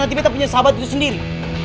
hati betta punya sahabat itu sendiri